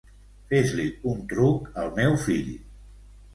Fes-li un truc al meu fill.